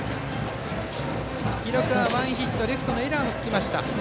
記録はヒットとレフトのエラーもつきました。